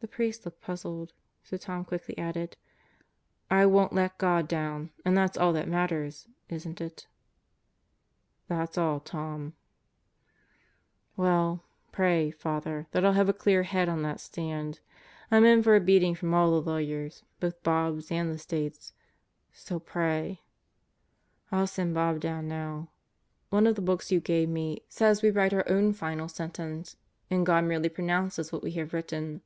The priest looked puzzled, so Tom quickly added: "I won't let God down; and that's all that matters, isn't it?" "That's all, Tom." Sentenced to Birth 41 "Well, pray, Father, that I'll have a clear head on that stand. I'm in for a beating from all the lawyers both Bob's and the State's so pray. I'll send Bob down now. One of the books you gave me says we write our own final sentence, and God merely pronounces what we have written.